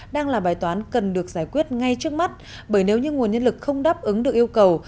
đang là bài toán cần được giải quyết ngay trước mắt bởi nếu như nguồn nhân lực không đáp ứng được yêu cầu